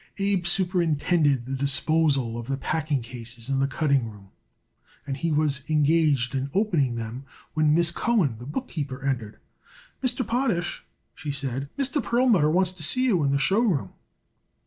Abe superintended the disposal of the packing cases in the cutting room, and he was engaged in opening them when Miss Cohen, the bookkeeper, entered. "Mr. Potash," she said, "Mr. Perlmutter wants to see you in the show room."